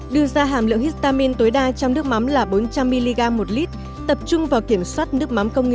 đưa ra hàm lượng histamin tối đa trong nước mắm là bốn trăm linh mg một lít tập trung vào kiểm soát nước mắm công nghiệp